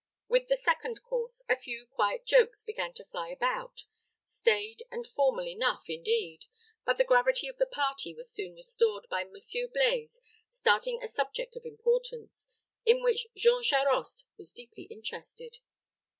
With the second course, a few quiet jokes began to fly about, staid and formal enough, indeed; but the gravity of the party was soon restored by Monsieur Blaize starting a subject of importance, in which Jean Charost was deeply interested.